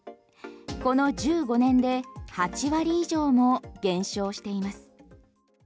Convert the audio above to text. この１５年で８割以上も減少しています。